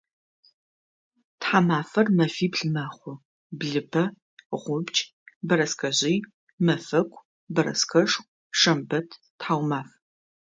Тхьамафэр мэфибл мэхъу: блыпэ, гъубдж, бэрэскэжъый, мэфэку, бэрэскэшху, шэмбэт, тхьаумаф.